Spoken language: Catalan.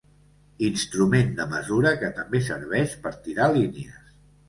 Instrument de mesura que també serveix per tirar línies.